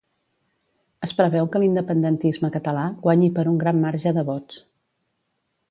Es preveu que l'independentisme català guanyi per un gran marge de vots